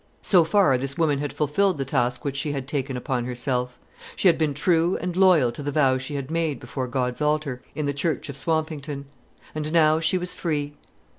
So far this woman had fulfilled the task which she had taken upon herself; she had been true and loyal to the vow she had made before God's altar, in the church of Swampington. And now she was free.